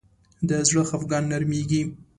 د زړه خفګان نرمېږي